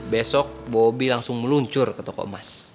besok bobby langsung meluncur ke toko emas